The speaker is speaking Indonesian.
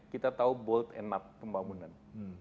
kita tahu bold and up pembangunan